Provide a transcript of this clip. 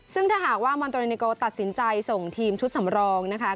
ซึ่งถ้าหากว่ามอนโตเรเนโกตัดสินใจส่งทีมชุดสำรองนะคะ